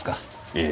ええ。